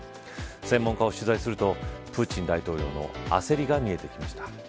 専門家を取材するとプーチン大統領の焦りが見えてきました。